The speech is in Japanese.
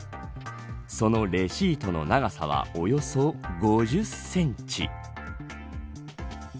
そのレシートの長さはおよそ５０センチ。